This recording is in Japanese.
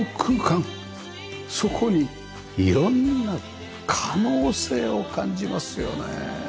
そこに色んな可能性を感じますよね。